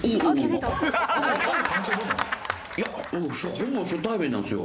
ほぼ初対面なんですよ